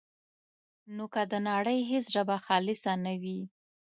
نو که د نړۍ هېڅ ژبه خالصه نه وي،